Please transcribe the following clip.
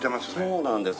そうなんです。